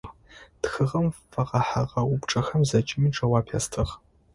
Тхыгъэм фэгъэхьыгъэ упчӏэхэм зэкӏэми джэуап ястыгъ.